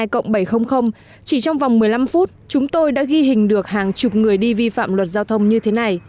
chỉ trong vòng một mươi năm phút chúng tôi đã ghi hình được hàng chục người đi vi phạm luật giao thông như thế này